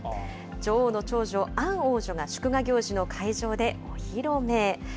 女王の長女、アン王女が祝賀行事の会場でお披露目。